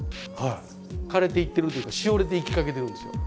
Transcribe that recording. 枯れていってるというかしおれていきかけてるんですよ。